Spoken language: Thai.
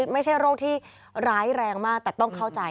ไม่ใช่โรคที่ร้ายแรงมากแต่ต้องเข้าใจ